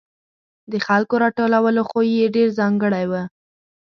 د خلکو راټولولو خوی یې ډېر ځانګړی و.